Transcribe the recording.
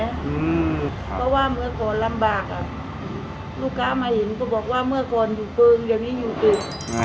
เพราะว่าเมื่อก่อนลำบากลูกค้ามาเห็นก็บอกว่าเมื่อก่อนอยู่กึ่งเดี๋ยวนี้อยู่ตึก